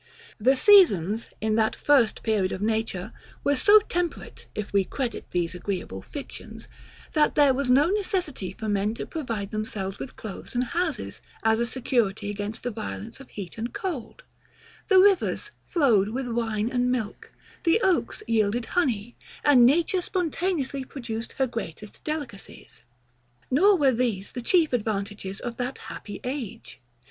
The seasons, in that first period of nature, were so temperate, if we credit these agreeable fictions, that there was no necessity for men to provide themselves with clothes and houses, as a security against the violence of heat and cold: The rivers flowed with wine and milk: The oaks yielded honey; and nature spontaneously produced her greatest delicacies. Nor were these the chief advantages of that happy age.